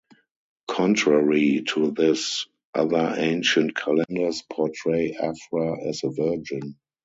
Contrary to this, other ancient calendars portray Afra as a virgin.